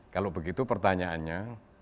kalau begitu pertanyaannya